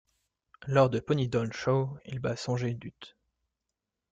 Lors de Ponydown Show, il bat Sonjay Dutt.